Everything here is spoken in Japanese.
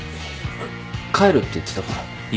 帰るって言ってたから。